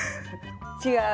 違う。